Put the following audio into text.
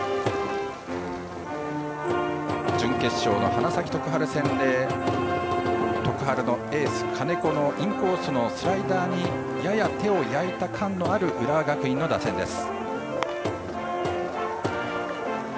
準決勝の花咲徳栄戦で徳栄のエース金子のインコースのスライダーにやや手を焼いた感のある浦和学院の打線です。